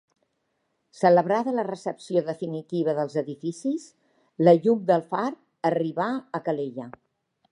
Celebrada la recepció definitiva dels edificis, la llum del far arribà a Calella.